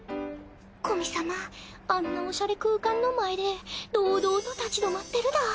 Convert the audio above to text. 古見様あんなおしゃれ空間の前で堂々と立ち止まってるだ。